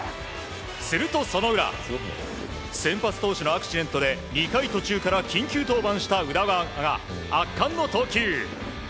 すると、その裏先発投手のアクシデントで２回途中から緊急登板した宇田川が圧巻の投球。